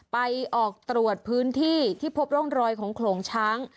ไปออกตรวจพื้นที่ที่พบร่องรอยของโขลงช้าง